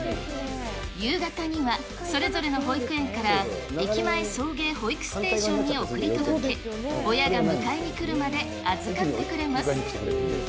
夕方には、それぞれの保育園から駅前送迎保育ステーションに送り届け、親が迎えに来るまで預かってくれます。